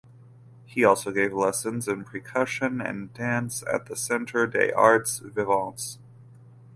He also gave lessons in percussion and dance at the Centre des arts vivants.